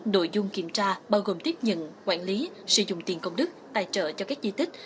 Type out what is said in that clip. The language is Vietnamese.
nội dung kiểm tra bao gồm tiếp nhận quản lý sử dụng tiền công đức tài trợ cho các di tích